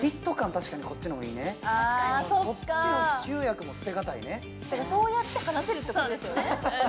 確かにこっちの方がいいねこっちの９役も捨てがたいねだからそうやって話せるってことですよね